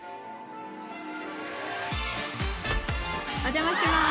お邪魔します。